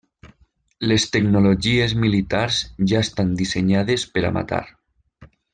Les tecnologies militars ja estan dissenyades per a matar.